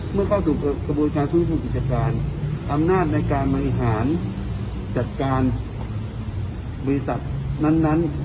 เมื่อเข้าสู่กระบวนการฟื้นฟูกิจการอำนาจในการบริหารจัดการบริษัทนั้น